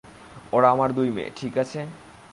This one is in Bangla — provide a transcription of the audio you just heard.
ওরা আমার দুই মেয়ে, ঠিক আছে?